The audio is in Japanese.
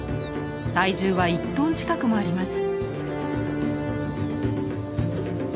体重は１トン近くもあります。